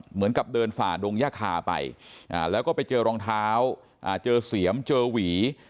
เหมือนกับเดินฝ่าดงย่าคาไปแล้วก็ไปเจอรองเท้าเจอเสียมเจอหวี